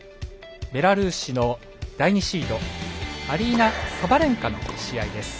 ベラルーシの第２シードアリーナ・サバレンカの試合です。